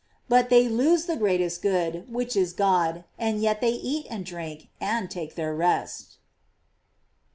but they lose the highest good, which is God, and yet they eat and drink, and take their rest.